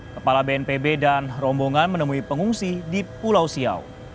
kepala bnpb dan rombongan menemui pengungsi di pulau siau